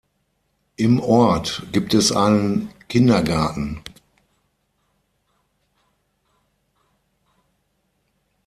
Im Ort gibt es einen Kindergarten.